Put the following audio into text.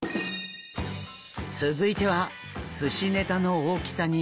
続いては寿司ネタの大きさに身を切ります。